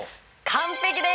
完璧です！